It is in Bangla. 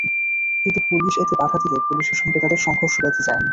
কিন্তু পুলিশ এতে বাধা দিলে পুলিশের সঙ্গে তাদের সংঘর্ষ বেধে যায়।